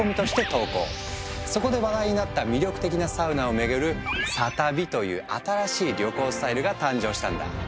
そこで話題になった魅力的なサウナを巡る「サ旅」という新しい旅行スタイルが誕生したんだ。